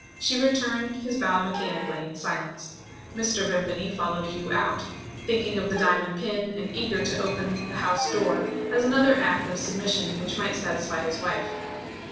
She returned his bow mechanically, in silence. Mr. Vimpany followed Hugh out thinking of the diamond pin, and eager to open the house door, as another act of submission which might satisfy his wife.